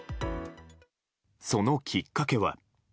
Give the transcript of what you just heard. そのきっかけは。